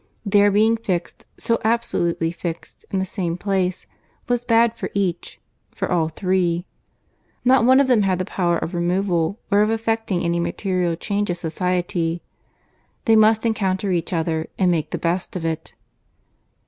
Their being fixed, so absolutely fixed, in the same place, was bad for each, for all three. Not one of them had the power of removal, or of effecting any material change of society. They must encounter each other, and make the best of it.